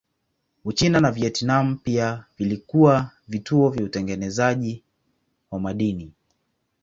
Uchina na Vietnam pia vilikuwa vituo vya utengenezaji wa madini.